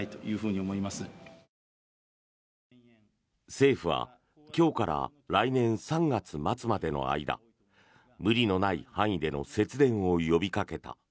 政府は今日から来年３月末までの間無理のない範囲での節電を呼びかけた。